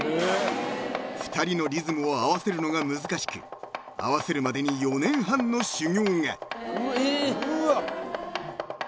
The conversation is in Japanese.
［２人のリズムを合わせるのが難しく合わせるまでに４年半の修業が］